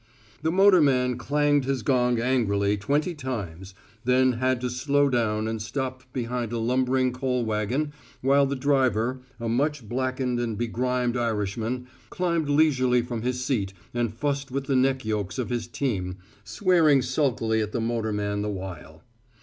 The motorman clanged his gong angrily twenty times, then had to slow down and stop behind a lumbering coal wagon while the driver, a much blackened and begrimed Irishman, climbed leisurely from his seat and fussed with the neck yokes of his team, swearing sulkily at the motorman the while.